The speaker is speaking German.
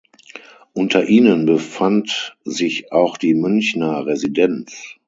Unter ihnen befand sich auch die Münchner Residenz.